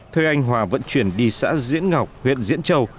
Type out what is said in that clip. thuê anh hòa vận chuyển đi xã diễn ngọc huyện diễn châu